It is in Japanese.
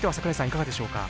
いかがでしょうか。